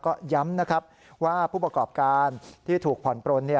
ก็ย้ำว่าผู้ประกอบการที่ถูกผ่อนโปรน